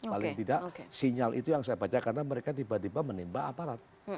paling tidak sinyal itu yang saya baca karena mereka tiba tiba menimba aparat